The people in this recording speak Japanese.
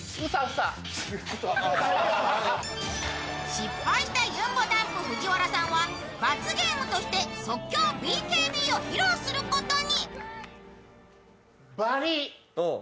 失敗したゆんぼだんぷ、藤原さんは、罰ゲームとして即興ＢＫＢを披露することに。